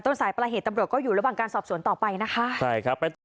สายประเหตุตำรวจก็อยู่ระหว่างการสอบสวนต่อไปนะคะใช่ครับไปต่อ